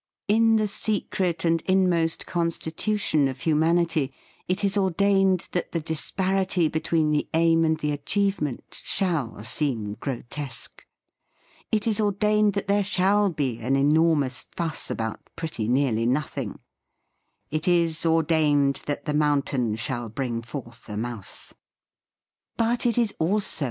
In the secret and inmost constitution of hu manity it is ordained that the disparity between the aim and the achievement shall seem grotesque ; it is ordained that there shall be an enormous fuss about pretty nearly nothing; it is ordained that the mountain shall bring forth a mouse.